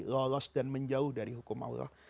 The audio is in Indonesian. lolos dan menjauh dari hukum allah